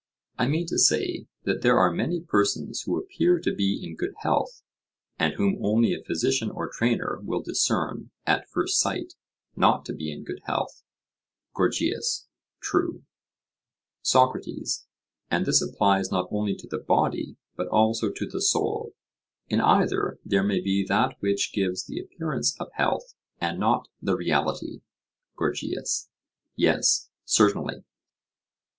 I mean to say, that there are many persons who appear to be in good health, and whom only a physician or trainer will discern at first sight not to be in good health. GORGIAS: True. SOCRATES: And this applies not only to the body, but also to the soul: in either there may be that which gives the appearance of health and not the reality? GORGIAS: Yes, certainly.